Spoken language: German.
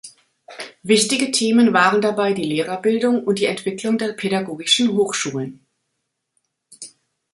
Wichtige Themen waren dabei die Lehrerbildung und die Entwicklung der Pädagogischen Hochschulen.